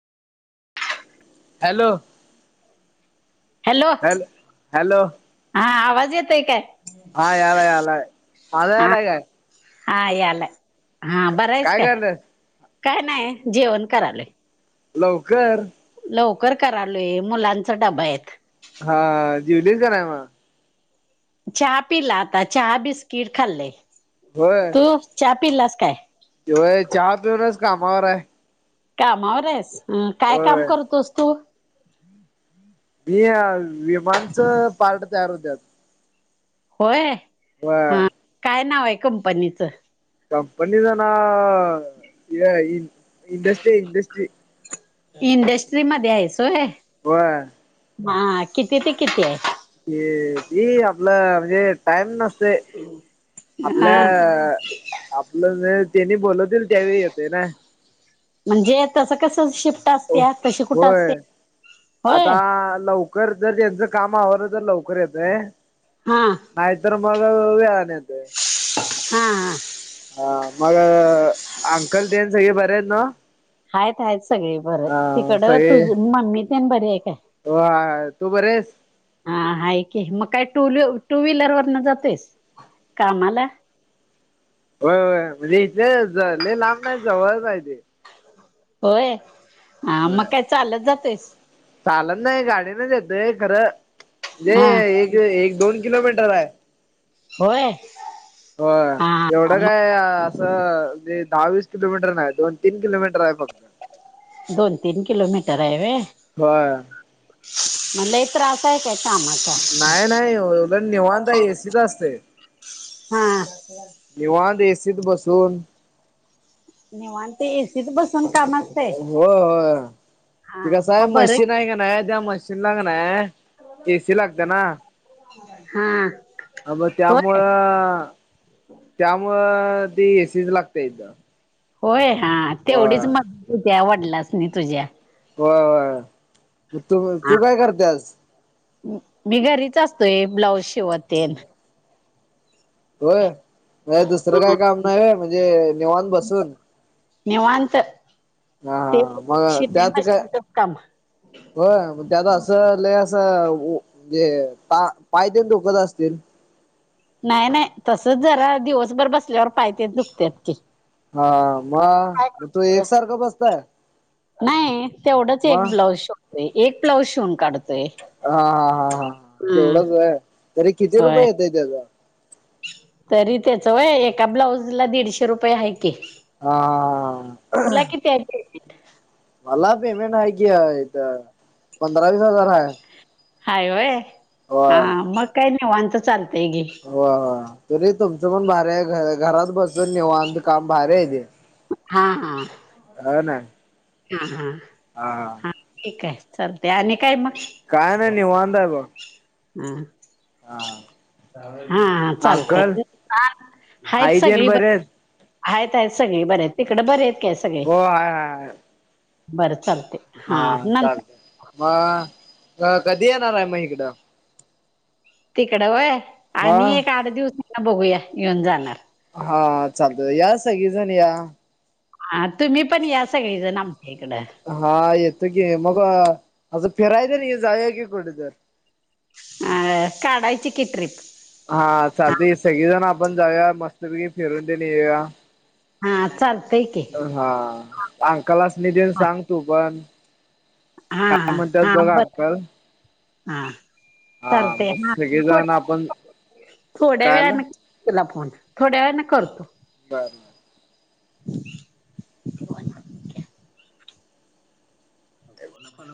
Hello! Hello hello हा आवाज येतोय काय? हा यालाय यालाय माझा हा यालाय काय? हा यायला हा बरायस काय? काय नाय जेवण करायलोय लवकर लवकर करालोय मुलांचा डबायत हा जिवलीच का नाय मग? चहा पिला आता चहा बिस्किट खाल्लयं होय तू चहा पिलायस काय? होय चहा पिऊनच कामावर हाय कामावर हायस काय काम होय करतोस? हम्म [inaudible] ते विमानचं पार्ट तयार होत्यात होय व्हय हा काय नावय कंपनीचं? कंपनीच नाव हेय इडस्ट्रीय इडस्ट्री इंडस्ट्री मध्ये हायस व्हय? व्हय हा किती ते कितीय? ते ती आपला म्हणजे टाइम नस ते आपल्या हा आपलं तेनी बोलवतील त्यावेळी येतोय ना म्हणजे तसं कसं शिफ व्हय होय आता लव लवकर जर त्यांचं काम आवरलं तर लवकर येतोय हा नायतर मग वेळानं येतोय हा हा हा मग अंकल ते न सगळे बरेयत नव्ह? आहेत आहेत सगळी बरं तिकड तुझ मम्मी ते बरीय काय? होा तू बर आहेस? हा आहेा की मग काय टू व टू व्हीलर वरन जातोस कामाला हो म्हणजे इथे झाले लांब नाही जवळ पाहिजे. होय ह मग काय चालत जातस. चालत नाही गाडीनच येतय खरंजे हा एक. एक दोन किलोमीटर आहे. होय. ह एवढं. हा बडं मग काय असं म्हे दहा वीस किलोमीटर नाही दोन तीन कलोमीटर आहे फक्त दोन तीन किलोमीटर आहे व हो. म्हणला. त्रास आहे का कामाचा नाही नाही एवढं निवांत आहे एसीत असतय हम्म. निवान एसीत बसून निेवन ते एसीच बसून काम असतय हो हो हा त का मग साहेब बरं मशीन की आहे का नाही त्या मशीन ला का ना. ए सी लागते ना. हा. अ मग होय त्यामुळं त्यामुं ती एसीच लागते इथं. होय हा होय तेवढीच मग तुझ्या आवडलास नाही तुझ्या होय तू हा तू काय करते आज मी घरीच असतोय ब्लाऊज शिवतेन. तोय दुसरं हा काय काम नाही आहे म्हणजे नेवान बसून निवांत. हा ते हा मग शिलाई त्यात काय? मशीनच काम हो मग त्यात असं लले असंजे पायदन धोकत असतील. नाही नाही तसच जरा दिवसभर बसल्यावर पाहती दुखतेत की हा मग काय मग तू करतोय? एकसारखं बसताय. नाही तेवढंच एक मग ब्लाऊज शिवतोय एक ब्लाऊज शिवून काढतोय. हा हा हा हा ह हम्म तेवढंच आहे तरी किती रुपये होय येतय त्याचा तरी त्याचय एका ब्लाऊज ला दीडशे रुपये आहे की हा. हा. तुला किती आहे. मला पेमेंट आहे कि इथ पंधरा वस हजार आहे. हाय वय हा होय मग काय नाहीवत चालतंय गे. हो त तुमचं पण भारी आहे घरात बसून नेऊ काम भार आहे ते हा हा. हो ना. हा हा. हा हां. ठीक आहे चालते आणि काय मग काय नाही नाही वाांधय. हां. हा चालते अंकल हाच आई तेन सगळी. बरे आहेत आहेत सगळे बर आहेत तिकडं बरे आहेत कॅस हो. बरं चालते. हा चालतय मग कधी येणार आहे मग इकडं तिकड वय हा आणि एक आठ दिवसान बघूया येऊन जाणार हा चालत या सगळीजण या हां तुम्ही पण या सगळीजण आमच्या इकडं हा येतो की मग असं फिरायतरी जाऊया की कुठ तर. अ काढायची कि ट्रिप. हा चालते की सगळीजण आपण जाऊया मस्तपैकी फिरून तेण येऊया. हां चालतय की. हा अंकलासनि तेन हा सांग तू पण. हा काय हा म्हणतात हा, बघा बरं आंकल हा. चालते मग हा सगळेजण आपण थोड्या काय आलं वेळने. तुला फोन थोड्या वेळ ना करतो. बरं बर. [inaudible] [inaudible]